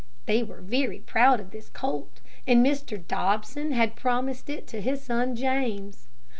They were very proud of this colt, and Mr. Dobson had promised it to his son James.